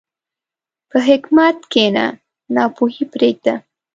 په حکمت کښېنه، ناپوهي پرېږده.